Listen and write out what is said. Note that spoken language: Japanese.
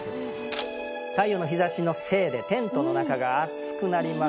太陽の日ざしのせいでテントの中が暑くなります。